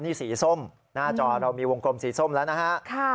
นี่สีส้มหน้าจอเรามีวงกลมสีส้มแล้วนะฮะ